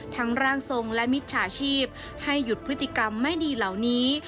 ร่างทรงและมิจฉาชีพให้หยุดพฤติกรรมไม่ดีเหล่านี้